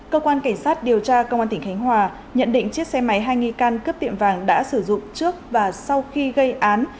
cơ quan cảnh sát điều tra công an tỉnh khánh hòa nhận định chiếc xe máy hai nghi can cướp tiệm vàng đã sử dụng trước và sau khi gây án